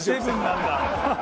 ７なんだ。